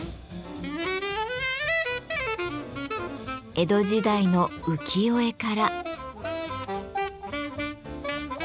江戸時代の浮世絵から。